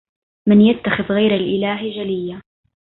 من يتخذ غير الإله جليا